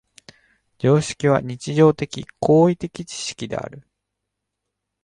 常識は日常的・行為的知識である。